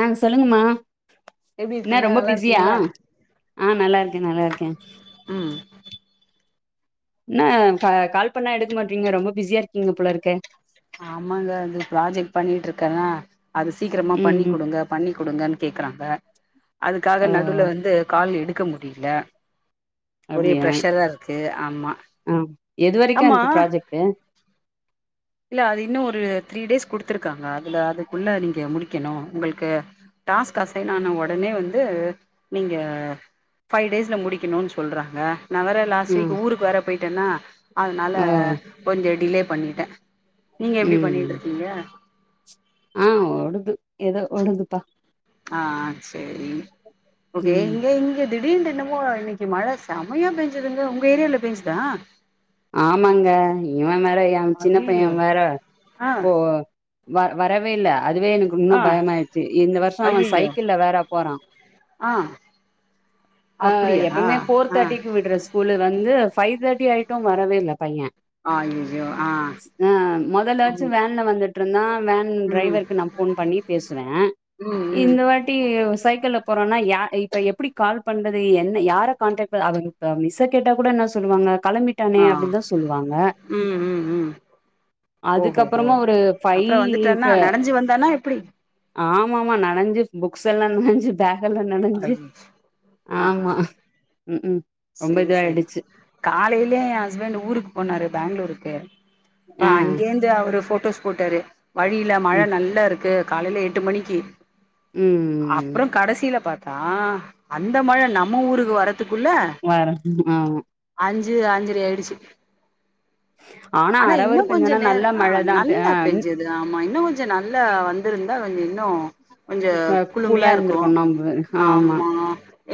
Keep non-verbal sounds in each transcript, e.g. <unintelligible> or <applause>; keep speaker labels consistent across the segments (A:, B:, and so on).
A: ஆ சொல்லுங்ம்மா
B: எப்டி
A: என்ன
B: இருக்கீங்க
A: ரொம்ப
B: நல்லா
A: பிஸியா
B: இருக்கீங்களா
A: ஆ நல்லா இருக்கே நல்லா இருக்கே
B: ம்
A: என்ன கால் பண்ணா எடுக்க மாட்டறீங்க ரொம்ப பிஸியா இருக்கீங்க போல இருக்கே
B: ஆமாங்க அது ப்ராஜெக்ட் பண்ணிட்டு இருக்கன்னா அது சீக்கிரமா
A: ம்
B: பண்ணி்
A: ம்
B: குடுங்க பண்ணி குடுங்கன்னு கேக்கறாங்க
A: ஓ
B: அதுக்காக நடுல வந்து கால் எடு க்க முடில
A: அப்டிய ஆ எது வரைக்க
B: ஆமா
A: இருக்கு ப்ராஜெக்ட்டு
B: இல்ல அது இன்னு ஒரு த்ரீ டேஸ் குடுத்துருக்காங்க அதுல அதுக்குள்ள நீங்க முடிக்கணு உங்களுக்கு டாஸ்க் ஆசைன் ஆன ஒ ஒடனே வந்து நீங்க ஃபைவ் டேஸ்ல முடிக்கணுன்னு சொல்றாங்க நா வேற லாஸ்டு
A: ம்
B: வீக் ஊருக்குவேற போய் ட்டனா அதனால
A: ஓ
B: கொஞ்ச டிலே பண்ணிட்டே நீங்க எப்டி பண்ணிட்டு
A: ம்
B: இருக்கீங்க
A: ஆ ஓடுது ஏதோ ஓடுதுப்பா
B: ஆ ஆ ஆச்சு ஓகே
A: ம்
B: இங்க இங்க திடீர்டு என்னமோ இன்னைக்கு மழ செமயா பேஞ்சுதுங்க உங்க ஏரியால பேஞ்சுதா
A: ஆமாங்க இவ வேற எ சின்ன பைய
B: அய்யய்யோ
A: வேற
B: ஆ
A: போ வ வரவேல்ல அதுவே எனக்கு இன்னு
B: ஆ
A: பயமாயிடுச்சு இந்த வருஷ அவ
B: அய்யய்யோ
A: சைக்கிள்ள வேற போறா
B: ஆ
A: அ
B: அப்டியா
A: எப்பமே ஃபோர்
B: ஆ
A: தேர்ட்டிக்கு விடுற ஸ்கூலு வந்து வந்து ஃபைவ் தேட்டி ஆயிட்டு மட்டு வரவே இல்ல பைய
B: அய்யய்யோ ஆ
A: ஆ மொதலாச்சு
B: ம்
A: வேன்ல வந்துட்டு இருந்தா வேன்
B: ம்
A: டிரைவருக்கு நா போன் பண்ணி பேசுவே
B: ம் ம்
A: இந்த வாட்டி சைக்கிள்ள போறானா யா இப்ப எப்டி கால் பண்றது என்ன யார கான்டக்ட் ப அவ மிஸ்ஸ கேட்டா கூட என்ன சொல்லுவாங்க கெளம்பி
B: ஆ
A: அப்டின்னு தா சொல்லுவாங்க
B: ம் ம் ம் ஓஹோஹோ
A: அதுக்கப்றமா ஒரு ஃபைவ்
B: அப்றோ வந்துட்டானா
A: ட
B: நனஞ்சு வந்தானா எப்டி
A: ஆமாமா நனஞ்சு புக்ஸ்ல்லா நனஞ்சு பேக்கல்லா நனஞ்சு
B: அய்யய்யோ
A: ஆமா
B: ஆஹா
A: ம் ம் ரொம்ப
B: செரி செரி
A: இதுவாயிடுச்சு
B: காலையிலயே ஹஸ்பண்ட் ஊருக்கு போனாரு பேங்ளூருக்கு அ
A: ஆ
B: அங்கேந்து அவரு போட்டோஸ் போட்டாரு வழியில மழ
A: ம்
B: நல்லா இருக்கு காலைல எட்டு மணிக்கு
A: ம்
B: அப்றோ கடசியில பாத்த அ அந்த மழ நம்ம ஊருக்கு வரதுக்குள்ள
A: வரட்டு ஆ
B: அஞ்சு அஞ்சர ஆயிடுச்சு ஆனா இன்னு
A: அரவருப்பு
B: கொஞ்ச
A: இங்கன்னா
B: நேர
A: நல்லா
B: ஆ
A: மழதான் ஆ
B: நல்லா பேஞ்சது ஆமா இன்னு கொஞ்சோ நல்லா வந்திருந்து ஆ வந்து இன்னு கொஞ்சோ
A: கூலா
B: குளுமையா இருக்கு
A: இருந்திருக்கும் நம்ப
B: ஆமா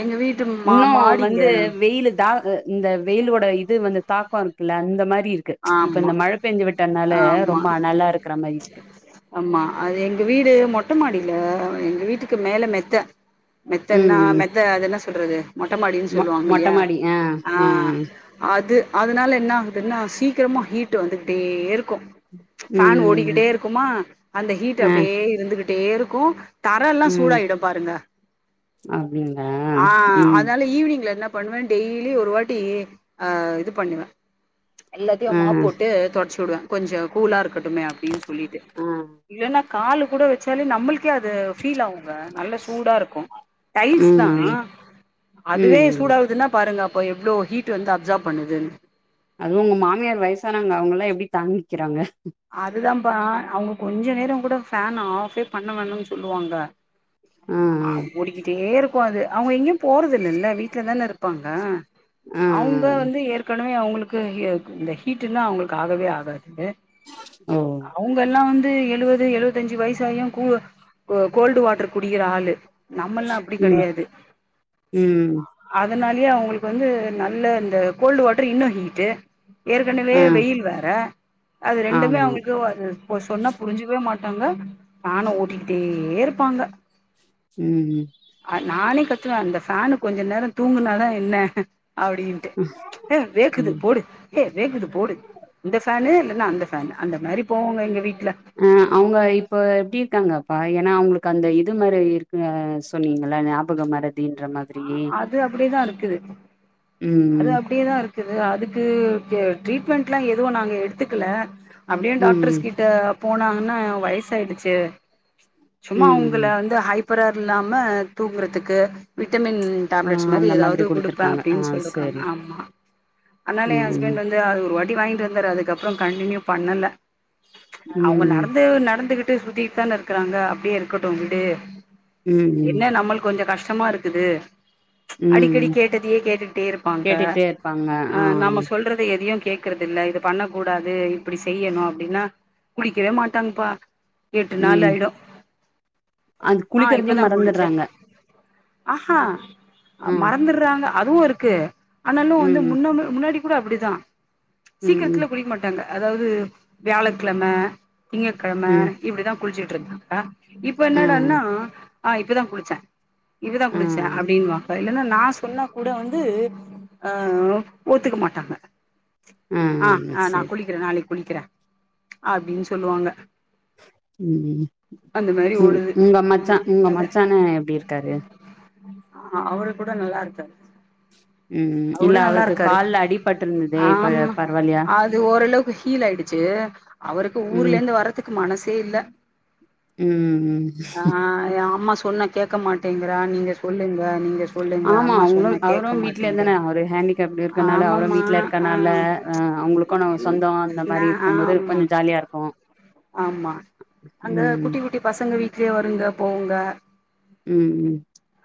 B: எங்க வீட்டு மா
A: இன்னு
B: மாடிங்க
A: வந்து வெயிலு தா அ இந்த வெயிலோட இது வந்து தாக்கோ இருக்குல்ல அந்த மா ரி இருக்கு இப்ப
B: ஆமா
A: இந்த மழ பேஞ்சு விட்டதுனால
B: ஆமா
A: ரொம்ப அனலா இருக்கற மாரி இருக்கு.
B: ட்ட மாடில எங்க வீட்டுக்கு மேல மெத்த மெத்தன்னா
A: ம்
B: மெத்த அது என்ன சொ சொல்றது மொட்ட மாடின்னு
A: மொ
B: சொல்லுவாங்க
A: மொட்ட
B: இல்லியா?
A: மாடி
B: ஆ அது அதனால என்ன ஆகுதுன்னா சீக்கிரமா ஹீட்டு வந்துக்கிட்டே இரு க்கு ஃபேன்
A: ம்
B: ஓடிக்கிட்டே இருக்குமா அந்த ஹீட்டு
A: ஆ
B: அப்டியே இருந்துகிட் டே இருக்கு தர எல்லா
A: ம்
B: சூடாயிடு பாருங்க.
A: அப்டிங்களா
B: ஆ
A: ம்
B: அதனால ஈவினிங்ல என்ன பண்ணுவே டெய்லி ஒரு வாட்டி ஆ இது பண்ணுவே எல்லாத்தையு
A: ஆ
B: மாப் போட்டு தொடச்சு விடுவே. கொஞ்சோ கூலா இருக் கட்டுமே அப்டின்னு சொல்லிட்டு
A: ஆ
B: இல்லன்னா காலு கூட வச்சாலே நம்மளு க்கே அது ஃபீல் ஆகுங்க நல்ல சூடா இருக்கு டைல்ஸ்தா
A: ம்
B: அதுவே
A: ம்
B: சூடாகுதுன்னா பாருங்க அ ப்போ எவ்ளோ ஹீ்ட்டு வந்து அப்சார்ப் பண்ணுதுன்னு.
A: அதுவு உங்க மாமியார் வயசானாவங்க அவுங்க எல்லா எப்டி தாங்கிக்கிறாங்க?
B: அதுதாம் ப்பா அவங்க கொஞ்ச நேரோங் கூட ஃபேன் ஆஃபே பண்ண வேணான்னு சொல்லுவாங்க. அ ஆ ஓடிக்கிட்டே இரு க்கு அது அவங்க எங்கயு போறது இல்லல்ல வீட்லதான இருப்பாங்க.
A: ஆ
B: அவுங்க வந்து ஏற்கனவே அவுங்களு க்கு எ க் இந்த ஹீட்டுனா அவங்களுக்கு ஆகவே ஆகாது
A: ஆ ஓ
B: அவுங்கல்லா வந் து எழுவது எழுவத்தஞ்சு வயசாயு கூ கோ கோல்டு வாட்டர் குடிக்கிற ஆளு. நம்மல்லா அப்டி
A: ம்
B: கெடையாது
A: ம் ம்
B: அதனாலயே அவங்களுக்கு வந்து நல்ல இந்த கோல்டு வாட்டர் இன்னு ஹீட்டு. ஏற்கனவே
A: ஆ
B: வெயில் வேற அது ரெ ரெண்டுமே
A: ஆமா
B: அவுங்களுக்கு சொன்ன புரிஞ்சிக்கவே மாட் பாங்க நானு ஓட்டிக்கிட்டே இருப்பாங்க
A: உ
B: நானே கத்துவே அந்த ஃபேனு கொஞ்ச நேரோ தூங்குனாதா என்ன அப்டின்ட்டு ஏ
A: ம்
B: வேக்குது போடு ஏ வேக்குது போடு இந்த ஃபேனு இல்ல நா அந்த ஆ அந்த மாரி போவோங்க எங்க வீட்ல
A: ஆ அவுங்க இப்ப எப்டி இருக்காங்கப்பா ஏனா அவுங்களுக்கு கந்த இது மாரி இருக்கு சொன்னீங்க நல்லா ஞாபக மரதின்ற மாதிரியே
B: க்குது அது அப்டியேதாருக்கு க்குது அதுக்கு ட்ரீட்மெண்ட்லா எதுவு நாங்க எடுத்துக்கல அப்டியு
A: ம் ம்
B: டாக்டர்ஸ் கிட்ட போனாங்கன்னா வயசாயிடுச்சு சும்மா
A: ம்
B: உங்கள
A: ம்
B: வந்து ஹை ப்பரா இல்லாம தூங்கறதுக்கு விட் விட்டமின்
A: ஆ
B: டேப்லெட்ஸ் மாரி
A: அந்த
B: ஏதாவது
A: மாதிரி
B: கொடுப்பே
A: குடுத்துருக்காங்க ஆ
B: அப்டின்னு சொல்லிக்காங்க
A: சரி
B: ஆமா அதனால எ
A: ம்
B: ஹஸ்பண்ட் வந்து அது ஒரு வாட்டி <unintelligible> வாங்கிட்டுந்தாரு அதுக்கப்ரோ கண்டினியூ பண்ணல
A: ம்
B: அவங்க
A: ம்
B: நடந்து நடந்துகிட்டு ட்டு சுத்தீகிட்டு தான இருக்கிறாங்க அப்டியே இருக்கட்டு விடு
A: உ
B: என்ன நம்ள்க் கொஞ்ச கஷ் டமா இருக்குது ச்
A: ம்
B: அடிக்கடி
A: ம்
B: கேட்டதையே கேட்டுட்டே இருப்பாங்க
A: கேட்டுட்டே இருப்பாங்க
B: ஆ நாம சொல்றத எதையு கேக்குறதில்ல இத பண்ண கூடாது இப்டி செய்னு அப்டினா குளிக்கவே மாட்டாங்கப்பா எட்டு
A: உ
B: நாள் ஆயிடு
A: அது
B: ஆ
A: குளிக்கிறதையே
B: இப்பதா
A: மறந்து
B: குளிச்சே
A: ற்றாங்க
B: ஆஹா மறந்துர்றாங்க அதுவு இருக்கு ஆனாலு வந்து
A: ம்
B: முன்ன முன்னாடி கூட அப்டிதா
A: ம்
B: சீக்ரத்ல
A: ம்
B: குளிக்க மாட்டாங்க அதாவது வியாழக்கிழம திங்ககெழம
A: ம்
B: இப்டிதா குளிச்சிட்டு இருந்தாக்கா இப்ப
A: ஆ
B: என்னாடானா ஆய் இப்பதா குளுச்சே இவ்ளதா
A: ஆ
B: குளுச்சே அப்டீனுவா இல்லன்னா நா சொன்னா கூட வந்து ஆ ஒத்துக்க மாட்டாங்க ஆ ஆ நா
A: சரி
B: குளிக்குறே நாளைக்கு குளிக்கிறெ அப்டின்னு சொல்லுவாங்க
A: உம்
B: அந்த மாரி
A: உம்
B: ஓடுது
A: உங்க மச்சா
B: ம்
A: உங்க மச்சா அண்ண எப்டி இருக்காரு
B: ஆ அவரு கூட நல்லா இருக்காரு
A: உம்
B: அவரு
A: இல்ல
B: கூட நல்லா
A: அவருக்கு
B: இருக்காரு
A: கால்ல அடிபட்டுருந்துதே இப்ப பரவாயில்லயா
B: இப்ப ஹீல் ஆயிடுச்சு அவருக்கு ஊர்ல இருந்து வர்றதுக்கு மனசே இல்ல
A: உம்-உம்
B: ஆ என் அம்மா சொன்னா கேக்க மாட்டேங்றா நீங்க சொல்லுங்க நீங்க சொல்லுங்க
A: ஆமா
B: அம்மா
A: அவங்களு
B: சொன்னா
A: அவரு
B: கேக்க
A: வீட்லயே தானே
B: மாட்டேங்கிறா
A: அவரு ஹேண்டிகேப்டு இருக்கனால அவரு
B: ஆமமா
A: வீட்ல
B: ஆ
A: இருக்கனால அ அவங்களுக்கு நம்ம சொந்தோ அந்த
B: நா
A: மாரி இருக்கும்போது கொஞ்சோ ஜாலியா இருக்கு
B: ஆமா-ஆமா அங்க
A: ம்
B: குட்டி குட்டி பசங்க வீட்லயே வருங்க போகுங்க
A: உம்-உம்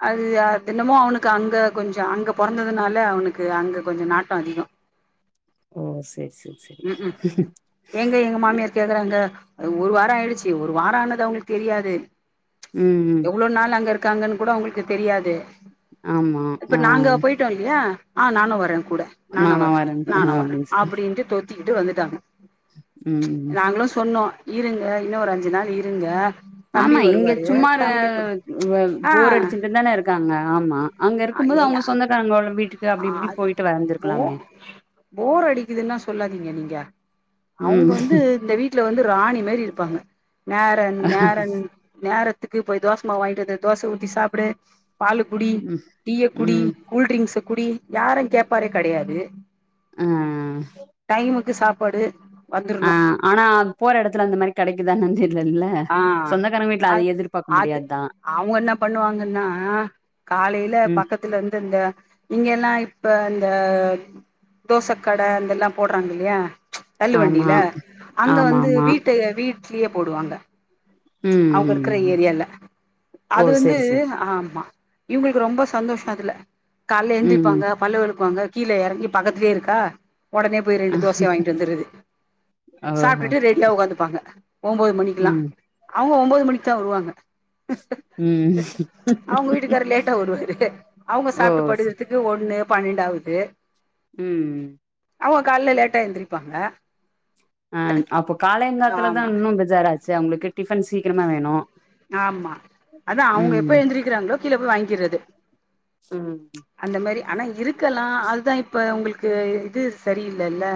B: அது அதென்னமோ அவனுக்கு அங்க கொஞ்சோ அங்க பொறந்ததுனால அவனுக்கு அங்க கொஞ்சோ நாட்டோ அதிகோ
A: ஓ செரி-செரி-செரி
B: ம் ம் அது ஒரு வாரோ ஆயிடுச்சு ஒரு வாரோ ஆனது அவங்களுக்கு தெரியாது
A: ம் ம்
B: எவ்ளோ நாள் அங்க இரு கங்கன் கூட உங்களுக்கு தெரியாது
A: ஆமா
B: இப்ப
A: ஆ
B: நாங்க போயிட்டோ இல்லயா ஆ நானு வர கூட நானு
A: நானா
B: வர
A: வரேன் ஆ
B: நானு வர அப்டின்ட்டு தொத் திகிட்டு வந்துட்டாங்க
A: உ
B: நாங்களு சொன்னோ இருங்க இன்னோ ஒரு அஞ்சு நாள் இருங்க தம்பி
A: ஆமா இங்க
B: வருவாரு
A: சும்மாரு
B: தம்பி கூட
A: வ
B: ஆ
A: போர் அடிச்சுன்ட்டு தான இருக்காங்க ஆமா அங்க இருக்கும்போது
B: ஏங்க
A: அவங்க சொந்தக்காரங்களோ
B: அது போ போர் அடிக்குதுனா சொல்லாதீங்க நீங்க அவங்க
A: ம்
B: வந்து இந்த வீட்டுல வந்து ராணி மேரி இருப்பாங்க நேரன் நேரன் நேர துக்கு போய் தோச மாவு வாங்கிட்டு வந்து தோச ஊத்தி சாப்புடு பால்லு குடி
A: ம்
B: டீய குடி
A: ம்
B: கூல் ட்ரிங்க்ஸ குடி யாரு கேப்பாரே கிடையாது
A: ஆ
B: டைமு க்கு சாப்பாடு
A: ஆ
B: வந்துரனோ
A: ஆனா போற எடத்துல அந்த மாரி கெடைக்குதான்னு தெர்லல்ல
B: ஆ
A: சொந்தக்காரங்க வீட்ல
B: அ
A: அத எதிர்பாக்க
B: அது
A: முடியாதுதா
B: அவங்கோ என்ன பண்ணுவாங்கன்னா காலையில
A: ம்
B: பக்கத்துலருந்து இந்த இங்கல்லா இப்ப இந்த தோச கட அதெல்லா போடுறாங்கல்லையா ச்
A: ஆமா
B: தள்ளுவண்டில அங்க
A: ஆமா
B: வந்து
A: ஆமா
B: வீட்டய வீட் ட்லிய போடுவாங்க
A: ம்
B: அவுங்க இருக்கிற
A: ம்
B: ஏரியால
A: ஓ
B: அது வந்து
A: செரி செரி செரி
B: ஆமா இவங்களுக்கு ரொம்ப சந்தோஷோ அதுல கால்ல
A: ம்
B: எந்திரிப்பாங்க பல்லு வெழக்குவாங்க கீழ இறங்கி பக்கத்துலயே இருக்கா ஒடனே போய்
A: ஆ
B: ரெண்டு தோசைய வாங்கிட்டு வந்தற்றது
A: ஓஹோ
B: சாப்ட்டுட்டு ரெட்டா உக்காந்துப்பாங்க ஒன்போது மணிக்கெல்லா
A: ம்
B: அவுங்க ஒன்போது மணிக்கு தா வருவாங்க
A: ம்
B: அவுங்க வீட்டுக்கார் லேட்டா வருவாரு அவுங்க
A: ஓ
B: சாப்ட்டு
A: ச
B: படுக்கறதுக்கு ஒண்ணு பன்னென்டாவது
A: உ
B: அவுங்க கால்ல லேட்டா எந்திரிப்பாங்க
A: அ அப்போ காலங்காத்துலதா
B: ஆமா
A: இன்னு. பேஜாராச்ச அவங்களுக்கு டிஃபன் சீக்கிரமா வேணும்
B: ஆமா அதா அவுங்க எப்ப எந்திரிக்கறாங்களோ கீழ போய் வாங்கிறது
A: ம்
B: அந்த மாரி ஆனா இருக்கலா அதுதா இப்ப உங்களுக் க்கு இது சரியில்லல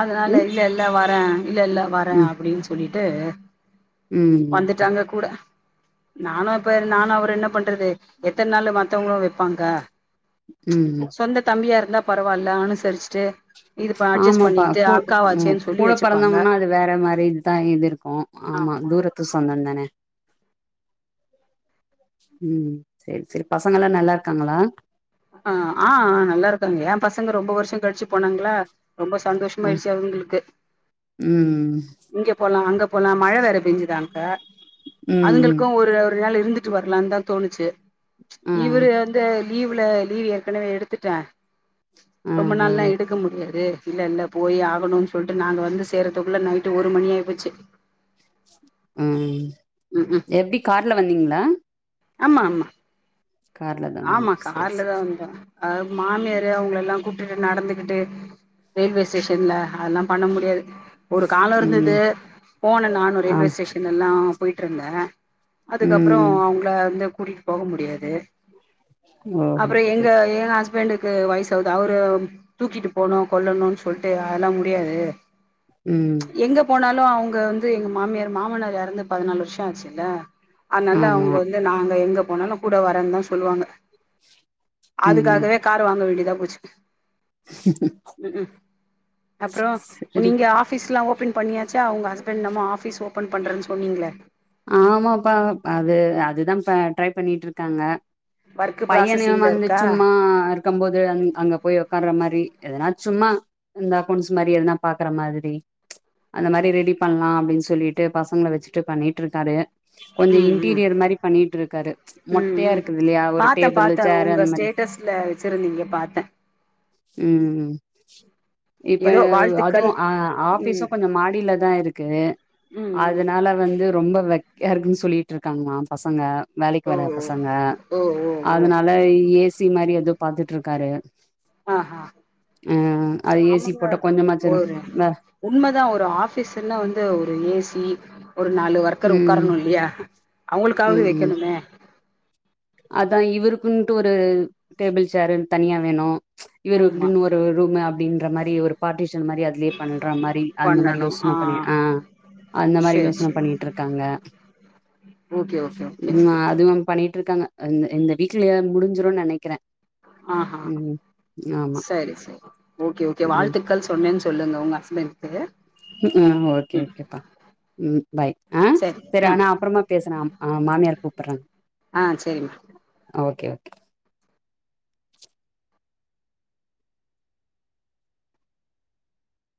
B: அதனால
A: ம்
B: இல்ல இல்ல வ ஆ இல்ல இல்ல வர அப்டின் சொல்லி து
A: ம் ம் ம்
B: நானு இப்ப நானு அவரு என்ன பண்றது எத்தன நாள் மத்தவங்களும் வைப்பாங்க
A: ம் ம்.
B: சொந்த தம்பியா இருந்தா பரவால்ல அனுசரிச்சிட்டு
A: ஆமாப்பா கூ ம்
B: சொல்லி
A: கூட
B: வச்சுப்பாங்க
A: பொறந்தவங்கன்னா அது வேற மாரி இதுதா இது இருக்கும் ஆமா தூரத்து சொந்த தானே ம் சேரி சேரி பசங்கலா நல்லா இருக்காங்களா
B: அ ஆ நல்லா இருக்காங்க ஏ பசங்க ரொம்ப வருஷ கழிச்சு போனாங்களா ரொம்ப
A: அ
B: சந்தோஷமாயிருச்சு அவுங்களுக்கு
A: ம்
B: இங்க போலா அங்க போலா மழை வேற பெஞ்சுதா அங்க
A: ம் ம்
B: அதுங்களுக்கு ஒரு கொஞ்ச நாள் இருந்துட்டு வரலான் தா தோணுச்சு
A: ஆ
B: இவரு வந்து லீவ்ல லீவு ஏற்கனவே எடுத்துட்டே
A: ஆ
B: ரொம்ப நாள்லா
A: ஆ
B: எடுக்க முடியாது இல்ல இல்ல போய்யே ஆகணும்ன்னு சொல்ட்டு நாங்க வந்து சேரதுக்குள்ள நைட்டு ஒரு மணி ஆயி போச்சு
A: ம் எப்டி கார்ல வந்தீங்களா
B: ஆமா ஆமா
A: கார்ல தா வந்தீங்க
B: ஆமா
A: சேரி சேரி
B: கார்லதா வந்தோ அ மாமியார் அவங்கள எல்லா கூட்டிட்டு நடந்துகிட்டு ரயில்வே ஸ்டேஷன்ல அதெல்லா பண்ண முடியாது ஒரு கால இருந்தது
A: ம்
B: போனே நானு
A: ஆ
B: ரயில்வே ஸ்டேஷன் எல்லாம் போயிட்டு இருந்த அதுக்கப்புற
A: ம்
B: அவுங்கலா வந்து கூட்டிட்டு போக முடியாது
A: ஓஹோ
B: அப்பறோ எங்க
A: சேரி
B: ஏனா ஃப்ரெண்டுக்கு வயசாவுது அவரு தூக்கிட்டு போனோ கொல்லணுனு சொல்ட்டு அதல்லா முடியாது
A: ம்
B: எங்க போனா ன்னு அவங்க வந்து எங்க மாமியார் மாமனார் எறந்து பதினாலு வருஷோ ஆச்சுல அதனால
A: ஆமா
B: அவங்க வந்து நாங்க எங்க போனாலு கூட வரந்தா சொல்லுவாங்க
A: ம்
B: அதுக்காகவே கார் வாங்க வேண்டியதா போச்சு உ உ அப்றோ
A: சேரி
B: நீங்க ஆஃபிஸ்லா <unintelligible> ச அவ்ங்க ஹஸ்பண்ட் நம்ம ஆஃபீஸ் ஓபன் பண்றன்னு சொன்னீங்களே
A: ஆமாப்பா அது அதுதாப்பா ட்ரை பண்ணிட்டு இருக்காங்க
B: ஒர்க்கு
A: பையனயு
B: ப்ராசஸிங்ல
A: வந்து
B: இருக்கா
A: சும்மா இருக்கம்போது அ அங்க போய் உக்காற்றமாரி எதனா சும்மா இந்த அக்கவுண்ட்ஸ் மாரி எதனா பாக்ற மாதிரி அந்த மாரி ரெடி பண்ணலா அப்டின்னு சொல்லிட்டு பசங்கள வச்சுட்டு பண்ணிட்டு இருக்காரு கொஞ்சோ
B: ம்
A: இன்டீரியர் மாரி பண்ணிட்டு இருக்காரு
B: ம் ம்
A: மொட்டையா
B: ம்
A: இருக்குது இல்லையா ஒரு
B: பாத்தே
A: டேபிளு
B: பாத்தே
A: சேர்
B: உங்க
A: அந்த மாரி
B: ஸ்டேட்டஸ்ல வச்சிருந்தீங்க பாத்தே
A: உ இப்ப
B: ஏதோ
A: அதுவு
B: வாழ்த்துக்கள்
A: ஆ ஆபீசு
B: ம்
A: கொஞ்சோ மாடில தா இருக்கு
B: ம் ம்
A: அதுனால வந்து ரொம்ப வெக்கையா இருக்குன்னு சொல்லிட்டு இருக்காங்களா பசங்க வேலைக்கு
B: ஓ
A: வர பசங்க
B: ஓ ஓ ஓ ஓ
A: அதுனால ஏ சி மாரி எதுவு பாத்துட்ருக்காரு
B: ஆ ஆ
A: அ அது ஏசி
B: ஆமாங்க
A: போட்டா கொஞ்சமாச்சு
B: ஒரு
A: வே
B: உண்மைதா ஒரு ஆஃபீஸ்ன்னா வந்து ஒரு ஏ சி ஒரு நாலு ஒர்க்கர்
A: ம்
B: உட்காரணு இல்லையா அவங்களுக்காவது
A: ம் ம்
B: வைக்கணுமே
A: அதா இவருக்குன்ட்டு ஒரு டேபிள் சேருனு தனியா வேணு இவரு
B: ஆமா
A: இப்டின்னு ஒரு ரூம் அப்படின் மாரி ஒரு பார்டி டிஷன் மாரி அதுலே பண்ற மாரி அந்த மாரி யோசன பண்ணி ஆ அந்த மாரி
B: சேரி
A: யோசன
B: சேரி
A: பண்ணிட்டுருக்காங்க
B: ஓகே ஓகே ஓகே ஓகே
A: அதுவு பண்ணிட் இருக்காங்க இந்த இந்த வீக்லயை முடிஞ்சிரும் நெனைக்கறே
B: ஆஹா
A: ம் ஆமா
B: சரி சரி ஓகே ஓகே
A: ம்
B: வாழ்த்துக்கள் சொன்னேன்னு சொல்லுங்க உங்க ஹஸ்பண்ட்க்கு
A: ஆ ஓகே
B: ம்
A: ஓகேப்பா ம் பை ஆ சரி ஆனா அப்புறமா பேசுறேன். ஆ மாமியார் கூப்புறாங்க
B: ஆ செரிம்மா
A: ஒகே கே